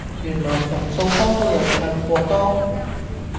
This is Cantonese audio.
原來馮素波都有唱過歌